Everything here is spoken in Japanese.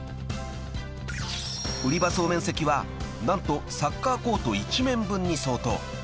［売り場総面積は何とサッカーコート１面分に相当］